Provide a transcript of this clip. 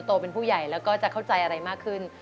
เป็นผู้ใหญ่แล้วก็จะเข้าใจอะไรมากขึ้น